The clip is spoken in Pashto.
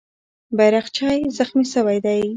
بیرغچی زخمي سوی دی.